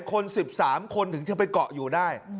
คน๑๓คนถึงจะไปเกาะอยู่ได้